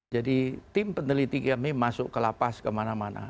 jadi tim peneliti kami masuk ke la paz kemana mana